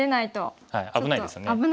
危ないですね。